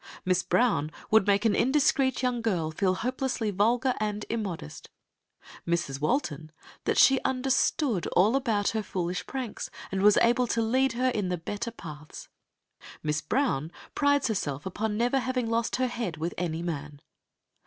Miss Brown would make an indiscreet young girl feel hopelessly vulgar and immodest; Mrs. Walton that she understood all about her foolish pranks, and was able to lead her in the better paths. Miss Brown prides herself upon never having lost her head with any man.